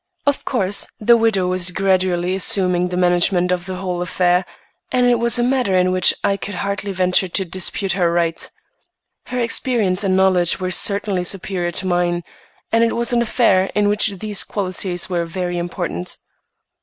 Of course, the widow was gradually assuming the management of the whole affair, and it was a matter in which I could hardly venture to dispute her right. Her experience and knowledge were certainly superior to mine, and it was an affair in which these qualities were very important.